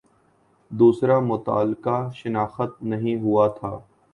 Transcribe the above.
دوسرا متعلقہ شناخت نہیں ہوا تھا